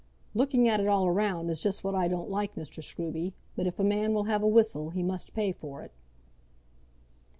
"Looking at it all round is just what I don't like, Mr. Scruby, But if a man will have a whistle, he must pay for it."